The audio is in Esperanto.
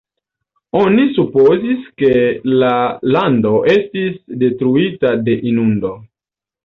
Oni supozis ke la lando estis detruita de inundo.